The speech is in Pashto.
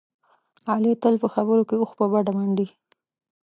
علي تل په خبرو کې اوښ په بډه منډي.